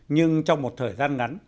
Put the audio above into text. nhưng trong một thời gian ngắn